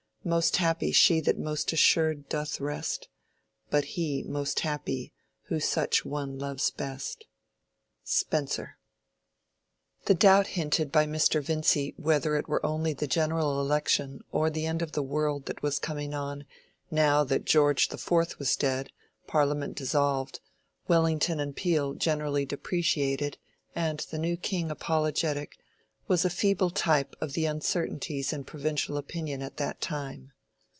Most happy she that most assured doth rest, But he most happy who such one loves best. —SPENSER. The doubt hinted by Mr. Vincy whether it were only the general election or the end of the world that was coming on, now that George the Fourth was dead, Parliament dissolved, Wellington and Peel generally depreciated and the new King apologetic, was a feeble type of the uncertainties in provincial opinion at that time.